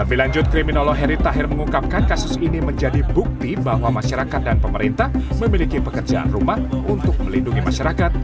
lebih lanjut kriminolog heri tahir mengungkapkan kasus ini menjadi bukti bahwa masyarakat dan pemerintah memiliki pekerjaan rumah untuk melindungi masyarakat